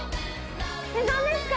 何ですか？